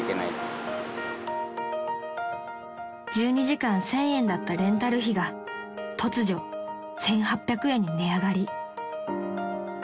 ［１２時間１，０００円だったレンタル費が突如１，８００円に値上がり］